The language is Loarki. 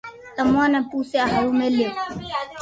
تمو ني پوسيا ھارو مو ليو